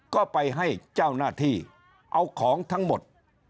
ก็ไปให้เจ้าหน้าที่เอาของทั้งหมด